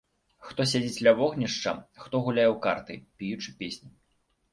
Хто сядзіць ля вогнішча, хто гуляе ў карты, пеючы песню.